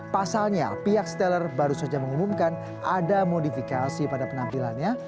pasalnya pihak steller baru saja mengumumkan ada modifikasi pada penampilannya